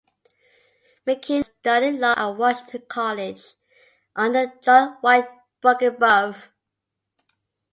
McKinney then studied law at Washington College under John White Brockenbrough.